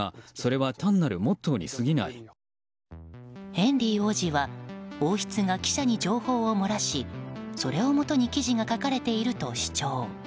ヘンリー王子は王室が記者に情報を漏らしそれをもとに記事が書かれていると主張。